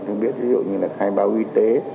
tôi biết ví dụ như là khai báo y tế